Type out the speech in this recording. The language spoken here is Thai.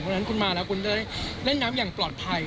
เพราะฉะนั้นคุณมาแล้วคุณได้เล่นน้ำอย่างปลอดภัย